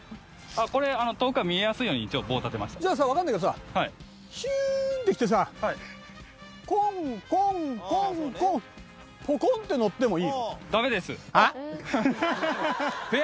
あっこれ遠くから見えやすいように一応棒立てましたじゃあさ分かんないけどさヒュンって来てさコンコンコンコンポコンって乗ってもいいの？